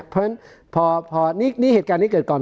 เพราะฉะนั้นเหตุการณ์นี้เกิดก่อน๒๔๗๕